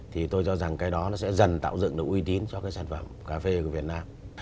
thì tôi cho rằng cái đó nó sẽ dần tạo dựng được uy tín cho cái sản phẩm cà phê của việt nam